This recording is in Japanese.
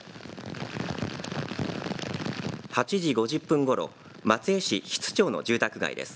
８時５０分ごろ、松江市比津町の住宅街です。